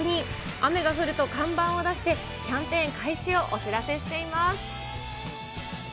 雨が降ると看板を出して、キャンペーン開始をお知らせしています。